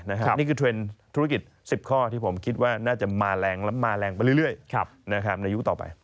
นี่คือเทรนด์ธุรกิจ๑๐ข้อที่ผมคิดว่าน่าจะมาแรงและมาแรงไปเรื่อยในยุคต่อไป